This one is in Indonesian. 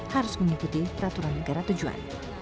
harus mengikuti peraturan negara tujuan